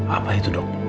apa itu dok